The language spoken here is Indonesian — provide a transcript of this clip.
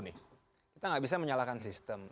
nih kita nggak bisa menyalahkan sistem